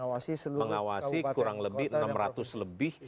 kawupaten kota dan kota mengawasi kurang lebih enam ratus lebih